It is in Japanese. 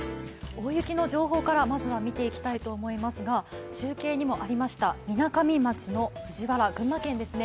大雪の情報からまずは見ていきたいと思いますが中継にもありましたみなかみ町の藤原、群馬県ですね。